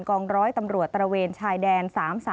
กองร้อยตำรวจตระเวนชายแดน๓๓